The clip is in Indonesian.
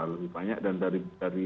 lebih banyak dan dari